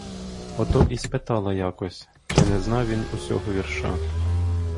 Ото і спитала якось, чи не зна він усього вірша.